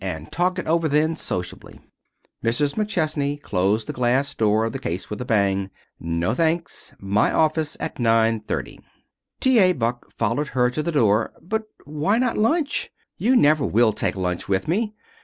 And talk it over then sociably." Mrs. McChesney closed the glass door of the case with a bang. "No, thanks. My office at 9:30." T. A. Buck followed her to the door. "But why not lunch? You never will take lunch with me.